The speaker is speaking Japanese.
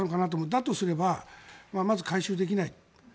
だとすればまず回収できない。